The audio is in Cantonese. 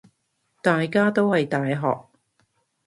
大家都係大學